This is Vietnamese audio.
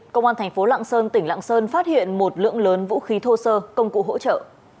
công an thành phố lạng sơn tỉnh lạng sơn phát hiện một lượng lớn vũ khí thô sơ công cụ hỗ trợ